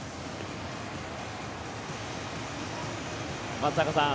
松坂さん